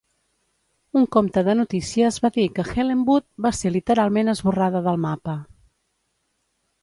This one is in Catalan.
Un compte de notícies va dir que Helenwood va ser literalment esborrada del mapa.